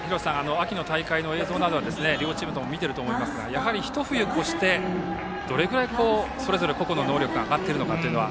秋の大会の映像などは両チームとも見ていると思いますがやはりひと冬越してどれくらいそれぞれ個々の能力が上がっているのかというのは。